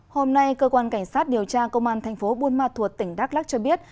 hôm nay cơ quan cảnh sát điều tra công an tp buôn ma thuột tỉnh đắk lắk cho biết